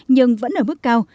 nhưng vẫn ở mức cao